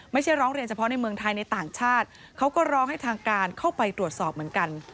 ไม่ใช่ร้องเรียนเฉพาะในเมืองไทยในต่างชาติเขาก็ร้องให้ทางการเข้าไปตรวจสอบเหมือนกัน